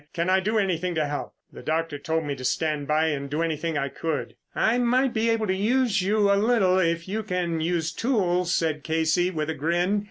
"Can I do anything to help? The doctor told me to stand by and do anything I could." "I might be able to use you a little if you can use tools," said Casey with a grin.